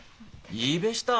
いいべした。